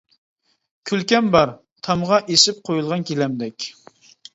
كۈلكەم بار، تامغا ئېسىپ قويۇلغان گىلەمدەك.